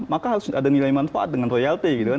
maka harus ada nilai manfaat dengan royalti